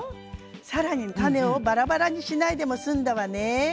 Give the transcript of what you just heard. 更に種をバラバラにしないでも済んだわね。